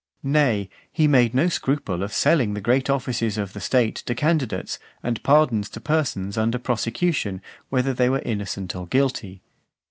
Nay, he made no scruple of selling the great offices of the state to candidates, and pardons to persons under prosecution, whether they were innocent or guilty.